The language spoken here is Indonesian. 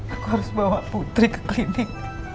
aku harus bawa putri ke klinik